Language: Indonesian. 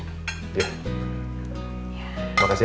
makasih maya buat sarapan pagi hari ini